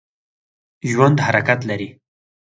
ژوندي حرکت لري